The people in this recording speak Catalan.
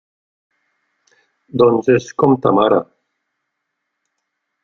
Doncs és com ta mare.